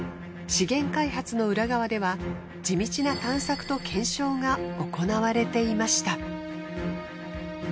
資源開発の裏側では地道な探索と検証が行われていました。